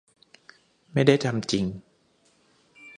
ไม่ได้ทำจริง